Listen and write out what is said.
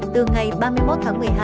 từ ngày ba mươi một tháng